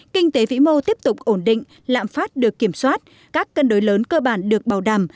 kinh tế vĩ mô tiếp tục ổn định lạm phát được kiểm soát các cân đối lớn cơ bản được bảo đảm